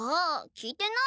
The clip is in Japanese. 聞いてない。